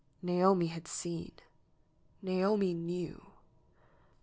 Naomi had seen. Naomi knew.